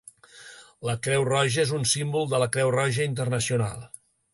La Creu Roja és un símbol de la Creu Roja Internacional.